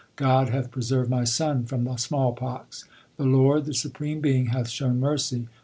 God hath preserved my son from the small pox ; The Lord, the Supreme Being hath shown mercy.